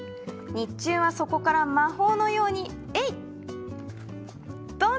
日中はそこから魔法のようにえいっ！